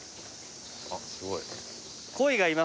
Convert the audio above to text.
あっすごい。